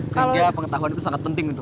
sehingga pengetahuan itu sangat penting untuk